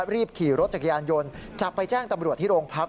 รีบขี่รถจักรยานยนต์จะไปแจ้งตำรวจที่โรงพัก